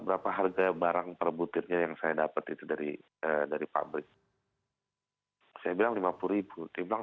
berapa harga barang per butirnya yang saya dapat itu dari dari pabrik saya bilang lima puluh dia bilang